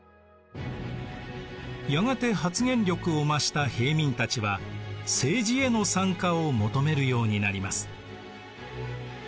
やがて発言力を増した平民たちは政治への参加を求めるようになります。